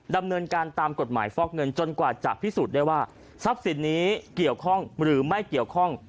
ดำเนินการตามกฎหมายฟอกเงินจนกว่าจะพิสูจน์ได้ว่าทรัพย์สินนี้เกี่ยวข้องหรือไม่เกี่ยวข้อง